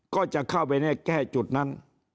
ก็จะเข้าไปแก้จุดนั้น